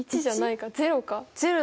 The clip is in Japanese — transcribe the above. １じゃないか０か。